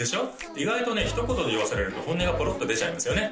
意外とねひと言で言わされると本音がポロッと出ちゃいますよね